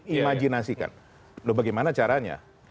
imajinasikan loh bagaimana caranya